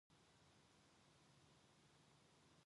휴식 시간이 지난 뒤에 학예회는 제이부로 들어갔다.